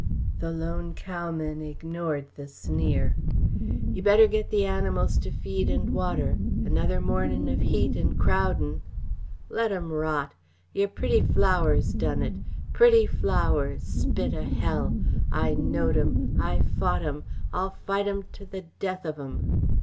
The lone cowman ignored the sneer. "You better get the animals to feed and water. Another mornin' of heat and crowdin' " "Let 'em rot! Yer pretty flowers done it pretty flowers spit o' hell! I knowed 'em I fought 'em I'll fight 'em to the death of 'em!"